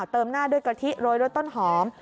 หน้าด้วยกะทิโรยด้วยต้นหอม